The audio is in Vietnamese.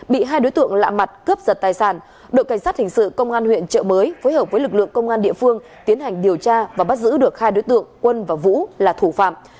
bị hai đối tượng lạ mặt cướp giật tài sản đội cảnh sát hình sự công an huyện trợ mới phối hợp với lực lượng công an địa phương tiến hành điều tra và bắt giữ được hai đối tượng quân và vũ là thủ phạm